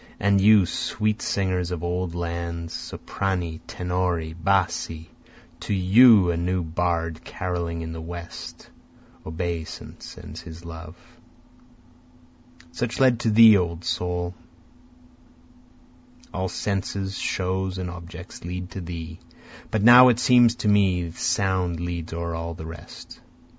And you, sweet singers of old lands, soprani, tenori, bassi! To you a new bard caroling in the West, Obeisant sends his love. (Such led to thee O soul, All senses, shows and objects, lead to thee, But now it seems to me sound leads o'er all the rest.)